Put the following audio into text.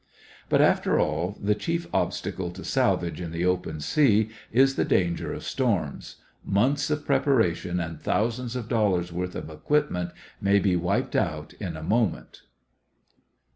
But, after all, the chief obstacle to salvage in the open sea is the danger of storms; months of preparation and thousands of dollars' worth of equipment may be wiped out in a moment.